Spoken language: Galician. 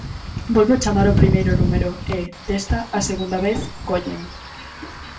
Volvo chamar ó primeiro número, e, desta, á segunda vez, collen.